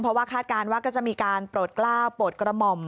เพราะว่าคาดการณ์ว่าก็จะมีการโปรดกล้าวโปรดกระหม่อม